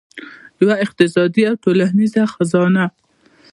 یوه اقتصادي او ټولنیزه خزانه.